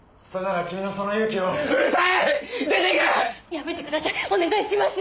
やめてくださいお願いします。